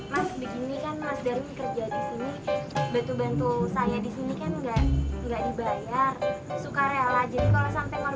mas begini kan mas darwin kerja di sini